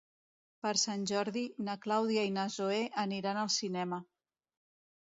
Per Sant Jordi na Clàudia i na Zoè aniran al cinema.